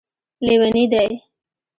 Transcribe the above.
لیوني دی